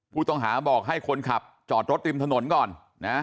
ผู้ต้องหาบอกให้คนขับจอดรถริมถนนก่อนนะ